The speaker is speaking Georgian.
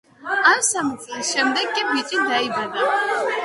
ამ სამი წლის შემდეგ კი ბიჭი დაიბადა.